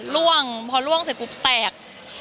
ล่วงพอล่วงเสร็จปุ๊บแตก